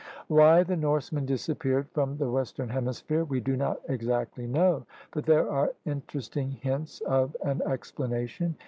Why the Norsemen disappeared from the West ern Hemisphere we do not exactly know, but there are interesting hints of an explanation.